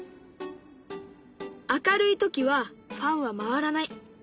明るい時はファンは回らない。